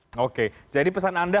covid sembilan belas oke jadi pesan anda